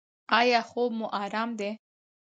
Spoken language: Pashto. ایا خوب مو ارام دی؟